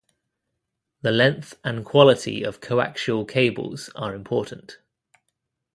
The length and quality of coaxial cables are important.